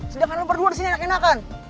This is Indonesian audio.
sedangkan lo berdua di sini enak enakan